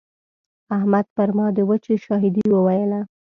احمد پر ما د وچې شاهدي وويله.